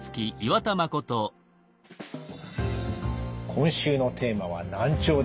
今週のテーマは「難聴」です。